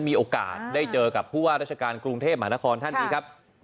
มีโอกาสได้เจอกับผู้ว่าราชการกรุงเทพมหานครท่านนี้ครับ